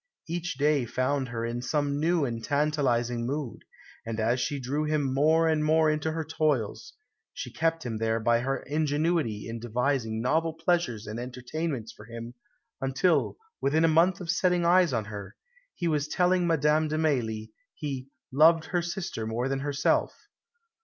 Each day found her in some new and tantalising mood; and as she drew him more and more into her toils, she kept him there by her ingenuity in devising novel pleasures and entertainments for him, until, within a month of setting eyes on her, he was telling Madame de Mailly, he "loved her sister more than herself."